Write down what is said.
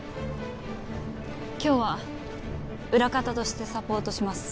今日は裏方としてサポートします